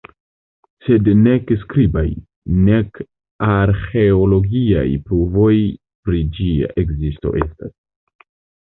Sed nek skribaj, nek arĥeologiaj pruvoj pri ĝia ekzisto estas.